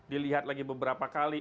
dilihat lagi beberapa kali